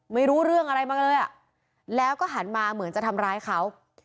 ไม่รู้เรื่องอะไรมาเลยอ่ะแล้วก็หันมาเหมือนจะทำร้ายเขา